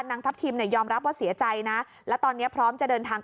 ทัพทิมเนี่ยยอมรับว่าเสียใจนะและตอนนี้พร้อมจะเดินทาง